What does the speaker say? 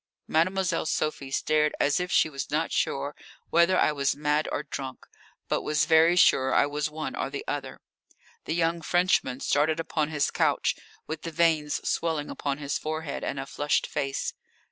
Mademoiselle Sophie stared as if she was not sure whether I was mad or drunk, but was very sure I was one or the other. The young Frenchman started upon his couch, with the veins swelling upon his forehead and a flushed face.